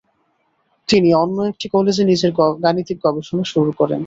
তিনি অন্য একটি কলেজে নিজের গাণিতিক গবেষণা শুরু করেন।